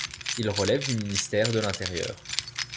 Il relève du ministère de l'Intérieur.